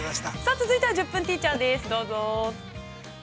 続いては「１０分ティーチャー」です、どうぞ。